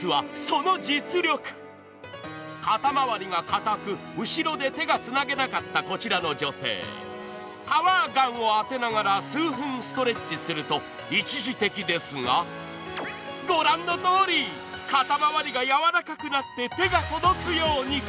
肩周りがかたく、後ろで手がつなげなかったこちらの女性、パワーガンを当てながら数分ストレッチすると一時的ですがご覧のとおり、肩周りがやわらかくなって手が届くように。